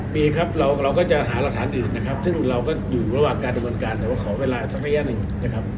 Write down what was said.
ปีครับเราก็จะหารักฐานอื่นนะครับซึ่งเราก็อยู่ระหว่างการดำเนินการแต่ว่าขอเวลาอีกสักระยะหนึ่งนะครับ